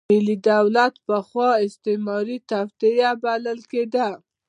ملي دولت پخوا استعماري توطیه بلل کېده.